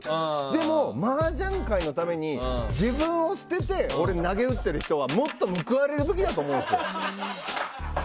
でも、マージャン界のために自分を捨てて投げ打ってる人はもっと報われるべきだと思うんですよ。